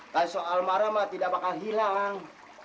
tadi soal marah mah tidak bakal hilang